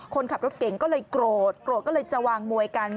คนขับรถเก่งก็เลยโกรธโกรธก็เลยจะวางมวยกัน